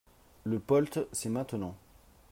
Le POLT, c’est maintenant